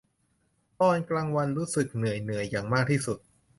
ตอนกลางวันรู้สึกเหนื่อย เหนื่อยอย่างมากที่สุด